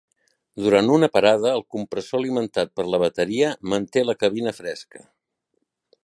Durant una parada, el compressor alimentat per la bateria manté la cabina fresca.